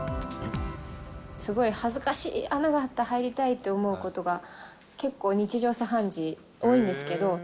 すごい恥ずかしい、穴があったら入りたいって思うことが、結構日常茶飯事、多いんですけど。